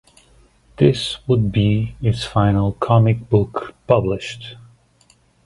This would be his final comic book published.